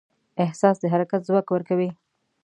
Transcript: احساس د حرکت ځواک ورکوي.